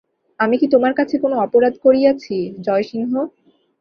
আমি কি তোমার কাছে কোনো অপরাধ করিয়াছি জয়সিংহ?